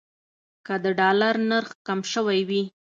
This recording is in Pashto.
که د ډالر نرخ کم شوی وي.